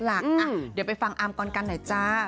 เดี๋ยวไปฟังอาร์มก่อนกันหน่อยจ้า